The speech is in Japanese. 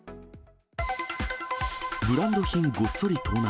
ブランド品ごっそり盗難。